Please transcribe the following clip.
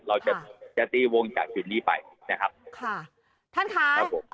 เราจะจะตีวงจากจุดนี้ไปนะครับค่ะท่านค่ะครับผม